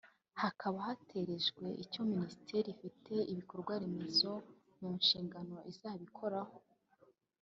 hakaba haterejwe icyo Minisiteri ifite ibikorwaremezo mu inshingano izabikoraho